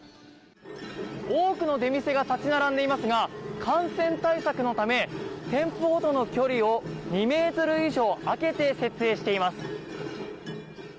多くの出店が立ち並んでいますが感染対策のため店舗ごとの距離を２ｍ以上空けて設営しています。